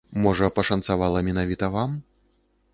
Можа, пашанцавала менавіта вам?